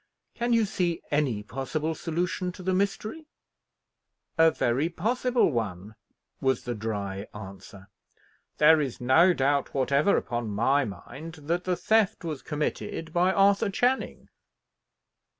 Can you see any possible solution to the mystery?" "A very possible one," was the dry answer. "There is no doubt whatever upon my mind, that the theft was committed by Arthur Channing."